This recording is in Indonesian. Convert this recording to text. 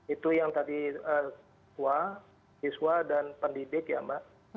itu yang tadi tua siswa dan pendidik ya mbak